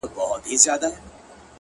• څوک به سوال کړي د کوترو له بازانو ,